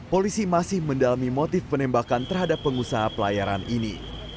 polisi masih mendalami motif penembakan terhadap pengusaha pelayaran ini